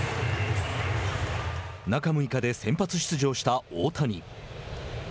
中６日で先発出場した大谷。